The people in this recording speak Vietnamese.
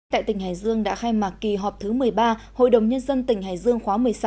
tại tỉnh hải dương đã khai mạc kỳ họp thứ một mươi ba hội đồng nhân dân tỉnh hải dương khóa một mươi sáu